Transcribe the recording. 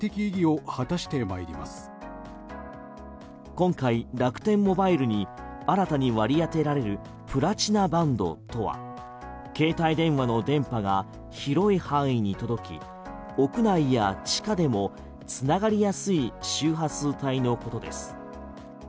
今回、楽天モバイルに新たに割り当てられるプラチナバンドとは携帯電話の電波が広い範囲に届き屋内や地下でも繋がりやすい周波数帯のことです。